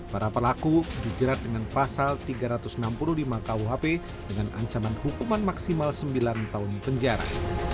para pelaku dijerat dengan pasal tiga ratus enam puluh lima kuhp dengan ancaman hukuman maksimal sembilan tahun penjara